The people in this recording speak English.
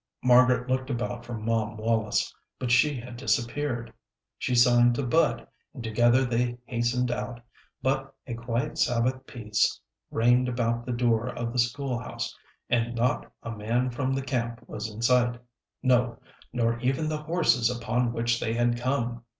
Margaret looked about for Mom Wallis, but she had disappeared. She signed to Bud, and together they hastened out; but a quiet Sabbath peace reigned about the door of the school house, and not a man from the camp was in sight; no, nor even the horses upon which they had come.